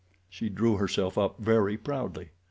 She drew herself up very proudly.